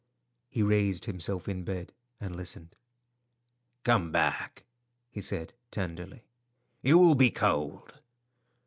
He raised himself in bed and listened. "Come back," he said, tenderly. "You will be cold."